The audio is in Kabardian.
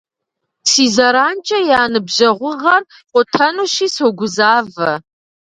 Си зэранкӏэ я ныбжьэгъугъэр къутэнущи согузавэ.